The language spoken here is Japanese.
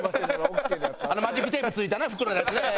あのマジックテープ付いた袋のやつね。